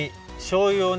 しょうゆ？